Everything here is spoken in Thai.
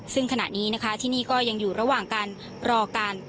ซึ่งขณะนี้นะคะที่นี่ก็ยังอยู่ระหว่างการรอการ